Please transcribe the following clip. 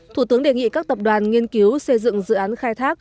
thủ tướng đề nghị các tập đoàn nghiên cứu xây dựng dự án khai thác